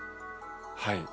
はい。